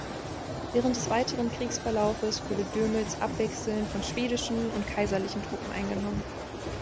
Während des weiteren Kriegsverlaufes wurde Dömitz abwechselnd von schwedischen und kaiserlichen Truppen eingenommen.